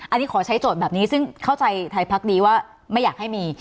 อันนี้ขอใช้โจทย์แบบนี้ซึ่งเข้าใจไทยพักดีว่าไม่อยากให้มี